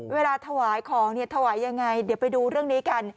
เวลาถวายของเนี่ยถวายยังไงเดี๋ยวไปดูเรื่องนี้กัน